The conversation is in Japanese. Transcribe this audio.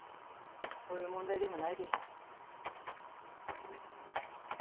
そういう問題でもないでしょ。